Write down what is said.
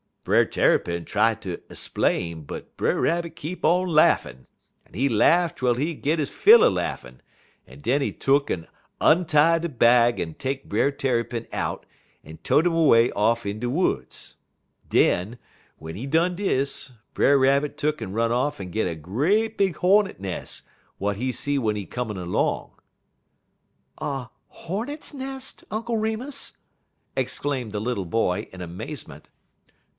"Brer Tarrypin try ter splain, but Brer Rabbit keep on laughin', en he laugh twel he git he fill er laughin'; en den he tuck'n ontie de bag en take Brer Tarrypin out en tote 'im 'way off in de woods. Den, w'en he done dis, Brer Rabbit tuck'n run off en git a great big hornet nes' w'at he see w'en he comin' long " "A hornet's nest, Uncle Remus?" exclaimed the little boy, in amazement.